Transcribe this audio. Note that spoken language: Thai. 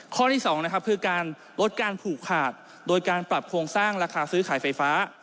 ข้อที่๒นะครับคือการลดการผูกขาดโดยการปรับโครงสร้างราคาซื้อขายไฟฟ้า